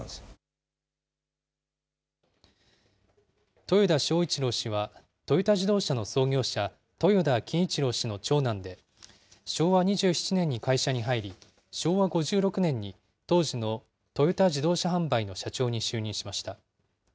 豊田章一郎氏は、トヨタ自動車の創業者、豊田喜一郎氏の長男で、昭和２７年に会社に入り、昭和５６年に当時のトヨタ自動車販売の社長に就任しました。